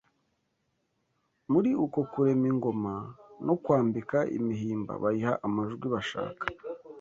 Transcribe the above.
Muri uko kurema ingoma no kwambika imihimba bayiha amajwi bashaka